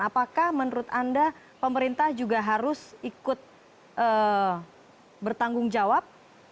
apakah menurut anda pemerintah juga harus ikut bertanggung jawab